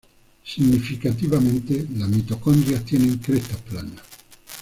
Significativamente, las mitocondrias tienen crestas planas.